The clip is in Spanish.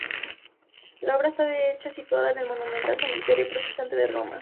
La obra está de hecho situada en el monumental cementerio protestante de Roma.